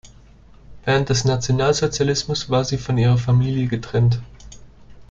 Während des Nationalsozialismus war sie von ihrer Familie getrennt.